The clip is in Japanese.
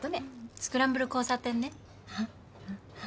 スクランブル交差点ねはっ？